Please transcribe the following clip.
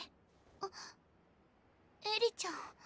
あっ絵里ちゃん。